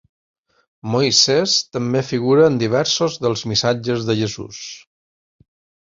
Moisès també figura en diversos dels missatges de Jesús.